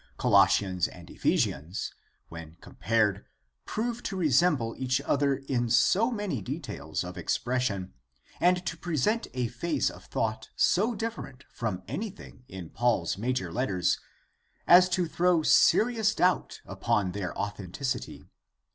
Colossians and Ephesians when com pared prove to resemble each other in so many details of expression, and to present a phase of thought so different from anything in Paul's major letters, as to throw serious doubt upon their authenticity.